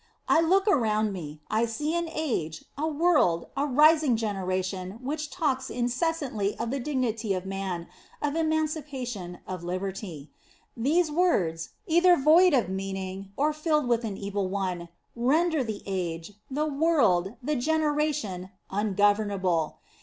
I look around me ; I see an age, a world, a rising generation which talks in *See her Life, viii. In the Nineteenth Centiiry. 69 cessantly of the dignity of man, of emancipa tion, of liberty. These words, either void of meaning, or filled with an evil one, render the age, the world, the generation, ungovern able.